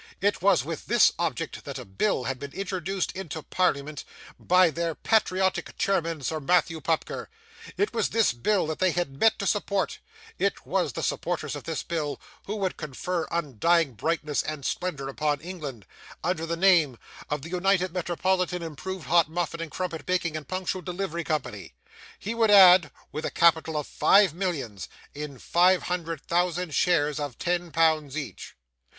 It was with this object that a bill had been introduced into Parliament by their patriotic chairman Sir Matthew Pupker; it was this bill that they had met to support; it was the supporters of this bill who would confer undying brightness and splendour upon England, under the name of the United Metropolitan Improved Hot Muffin and Crumpet Baking and Punctual Delivery Company; he would add, with a capital of Five Millions, in five hundred thousand shares of ten pounds each.